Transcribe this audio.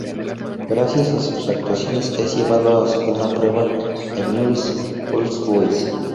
Gracias a sus actuaciones es llevado a una prueba a Newell's Old Boys.